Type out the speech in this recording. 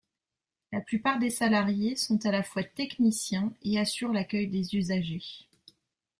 La plupart des salariés sont à la fois techniciens et assurent l'accueil des usagers.